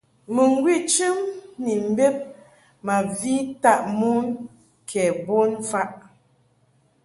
Mɨŋgwi chɨm ni mbed ma vi taʼ mon ke bon mfaʼ.